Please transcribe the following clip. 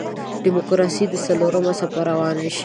د دیموکراسۍ څلورمه څپه روانه شي.